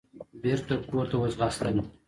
بېرته کورته وځغاستله.